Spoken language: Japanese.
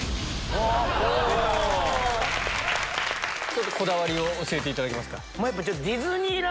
ちょっとこだわりを教えていただけますか？